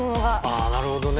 ああなるほどね。